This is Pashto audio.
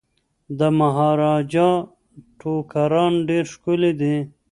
د مهاراجا ټوکران ډیر ښکلي دي.